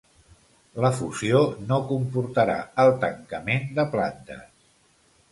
La fusió no comportarà el tancament de plantes.